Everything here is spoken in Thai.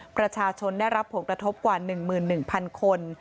ประชาชนได้รับผลกระทบกว่า๑๑๐๐๐คน